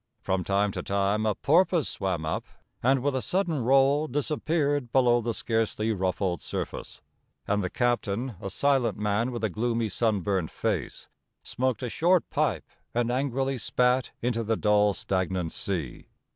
From time to time a porpoise swam up, and with a sudden roll disappeared below the scarcely ruffled surface. And the captain, a silent man with a gloomy, sunburnt face, smoked a short pipe and angrily spat into the dull, stagnant sea.